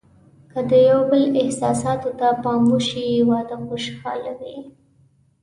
که د یو بل احساساتو ته پام وشي، واده خوشحاله وي.